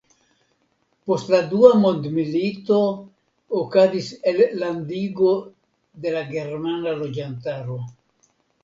Post la dua mondmilito okazis elllandigo de la germana loĝantaro.